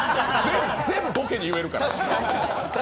全ボケに言えるから。